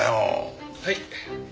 はい。